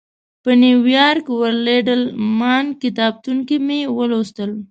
په نیویارک ورلډ الماناک کتابتون کې مې ولوستل.